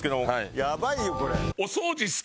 やばいよこれ。